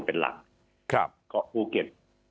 เป็นหลักเกาะภูเก็ต